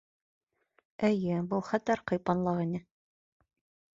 Эйе, был хәтәр ҡыйпанлаҡ ине!